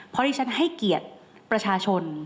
เพราะที่ฉันให้เกียรติประชาชน